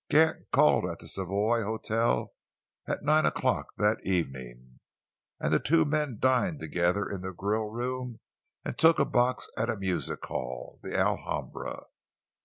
Gant called at the Savoy Hotel at nine o'clock that evening, and the two men dined together in the grill room and took a box at a music hall the Alhambra.